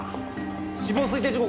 死亡推定時刻は？